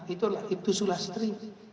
itu ibtusullah setri